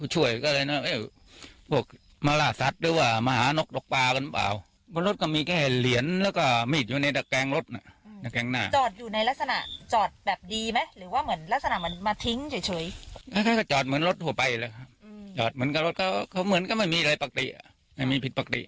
เหมือนก็ไม่มีอะไรปกติไม่มีผิดปกติ